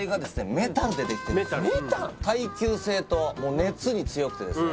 メタルでできてる耐久性と熱に強くてですね